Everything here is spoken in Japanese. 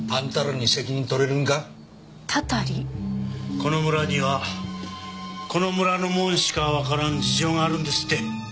この村にはこの村の者にしかわからん事情があるんですって。